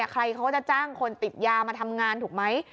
ใครเขาก็จะจ้างคนติดยามาทำงานถูกไหม